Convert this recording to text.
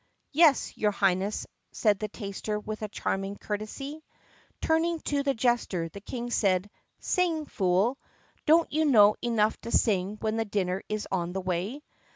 "Yes, your Highness!" said the taster with a charming curtsey. Turning to the jester the King said : "Sing, fool ! Don't you know enough to sing when dinner is on the wav'?"